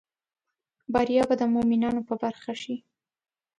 بریا به د مومینانو په برخه شي